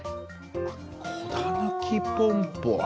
「こだぬきポンポ」？